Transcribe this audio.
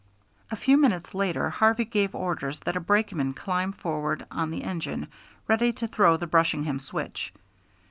A few minutes later Harvey gave orders that a brakeman climb forward on the engine ready to throw the Brushingham switch.